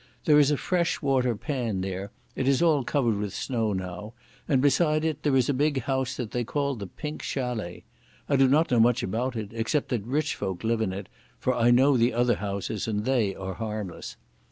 There is a fresh water pan there, it is all covered with snow now, and beside it there is a big house that they call the Pink Chalet. I do not know much about it, except that rich folk live in it, for I know the other houses and they are harmless.